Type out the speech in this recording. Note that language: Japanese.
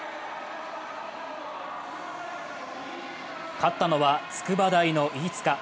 勝ったのは筑波大の飯塚。